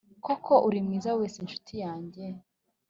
Koko uri mwiza wese, ncuti yanjye,